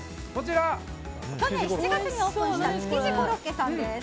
去年７月にオープンした築地コロッケさんです。